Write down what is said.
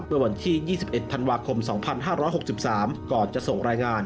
ผ่าเหงินทั้งคู่